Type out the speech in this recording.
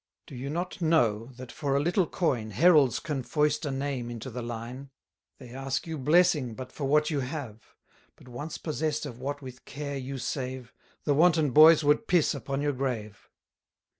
Do you not know, that for a little coin, Heralds can foist a name into the line? They ask you blessing but for what you have; But once possess'd of what with care you save, The wanton boys would piss upon your grave.